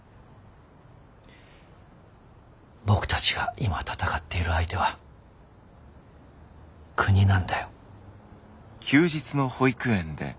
僕たちが今闘っている相手は「国」なんだよ。